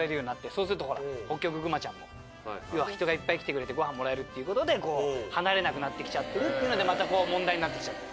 そうするとほらホッキョクグマちゃんも要は人がいっぱい来てくれてご飯もらえるっていう事でこう離れなくなってきちゃってるっていうのでまたこう問題になってきちゃって。